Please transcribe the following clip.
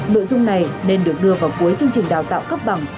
nội dung này nên được đưa vào cuối chương trình đào tạo cấp bằng